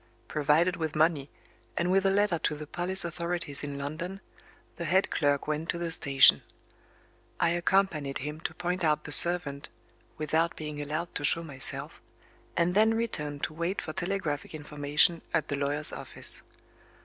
Provided with money, and with a letter to the police authorities in London, the head clerk went to the station. I accompanied him to point out the servant (without being allowed to show myself), and then returned to wait for telegraphic information at the lawyer's office.